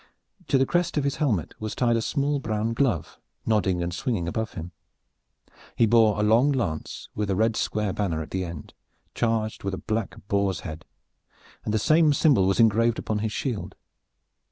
To the crest of his helmet was tied a small brown glove, nodding and swinging above him. He bore a long lance with a red square banner at the end, charged with a black boar's head, and the same symbol was engraved upon his shield.